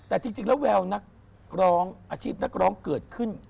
แต่จริงแล้วแววนักร้องอาชีพนักร้องเกิดขึ้น